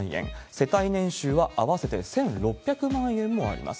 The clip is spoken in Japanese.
世帯年収は合わせて１６００万円もあります。